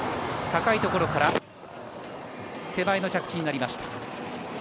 高いところから、手前の着地になりました。